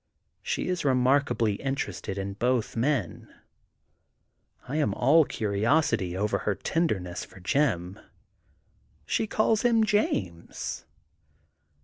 She is remarkably interested in both men. I am all curiosity over her tenderness for Jim. She calls him James.